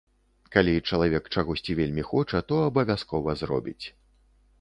Калі чалавек чагосьці вельмі хоча, то абавязкова зробіць.